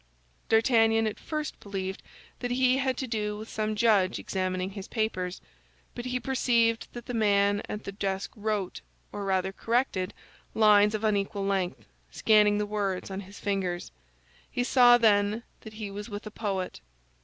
D'Artagnan at first believed that he had to do with some judge examining his papers; but he perceived that the man at the desk wrote, or rather corrected, lines of unequal length, scanning the words on his fingers. He saw then that he was with a poet.